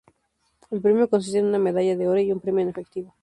El premio consiste en una medalla de oro y un premio en efectivo.